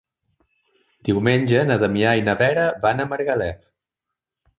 Diumenge na Damià i na Vera van a Margalef.